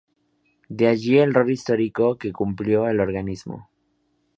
De allí el rol histórico que cumplió el organismo.